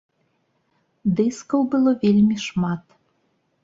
Дыскаў было вельмі шмат.